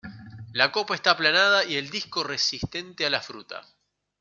La copa está aplanada y el disco resistente a la fruta.